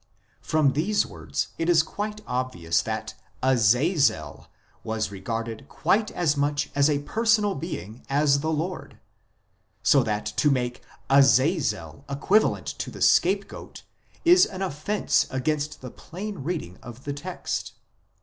From these words it is quite obvious that Azazel was regarded quite as much as a personal being as the Lord ; so that to make Azazel equivalent to the scapegoat is an offence against the plain reading of the text.